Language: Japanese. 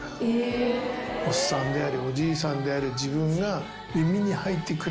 おっさんでありおじいさんである自分が。